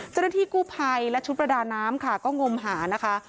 เจ้าหน้าที่กู้ภัยและชุดประดาน้ำค่ะก็งมหานะคะ